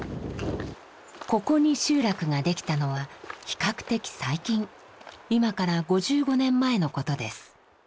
ここに集落ができたのは比較的最近今から５５年前のことです。